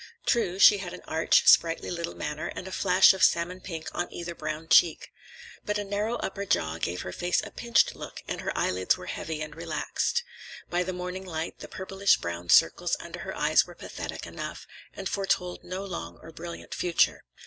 True, she had an arch, sprightly little manner, and a flash of salmon pink on either brown cheek. But a narrow upper jaw gave her face a pinched look, and her eyelids were heavy and relaxed. By the morning light, the purplish brown circles under her eyes were pathetic enough, and foretold no long or brilliant future.